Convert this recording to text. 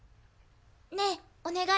ねえお願い